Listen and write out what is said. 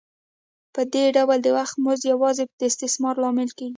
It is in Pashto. په دې ډول د وخت مزد یوازې د استثمار لامل کېږي